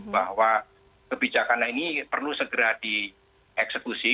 bahwa kebijakan ini perlu segera dieksekusi